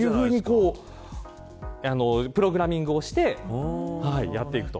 プログラミングをしてやっていくと。